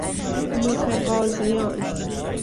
متقاضیان